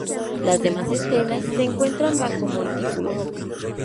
Las demás estelas se encuentran bajo Montículos.